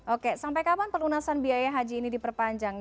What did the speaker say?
oke sampai kapan pelunasan biaya haji ini diperpanjang